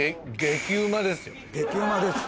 激うまです。